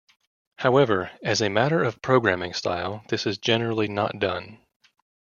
However, as a matter of programming style this is generally not done.